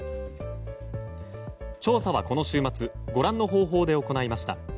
調査は、この週末ご覧の方法で行いました。